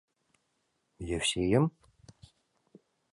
— Евсейым?